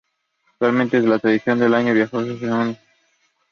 Actualmente la tradición de el "año viejo" sigue presente en distintos lugares del país.